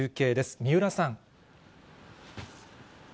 三浦さん。